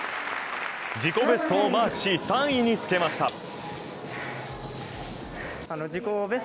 自己ベストをマークし、３位につけました。